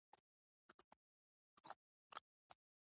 صنعتي انقلاب ته زمینه برابره کړي.